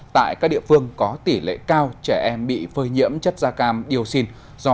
tại các địa phương có tỷ lệ cao trẻ em bị phơi nhiễm chất da cam điều xin